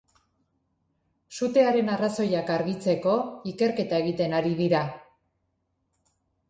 Sutearen arrazoiak argitzeko ikerketa egiten ari dira.